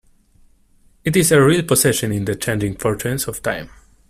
It is a real possession in the changing fortunes of time.